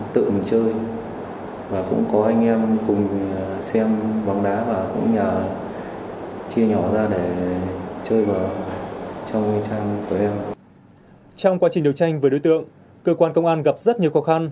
trong quá trình đấu tranh với đối tượng cơ quan công an gặp rất nhiều khó khăn